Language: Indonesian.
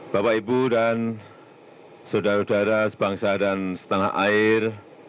bapak ibu dan saudara saudara sebangsa dan setanah air